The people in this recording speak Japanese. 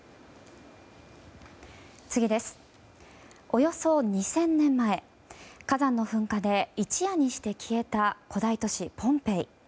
およそ２０００年前火山の噴火で一夜にして消えた古代都市ポンペイ。